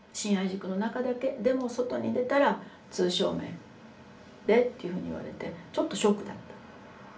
でも外に出たら通称名でっていうふうに言われてちょっとショックだった。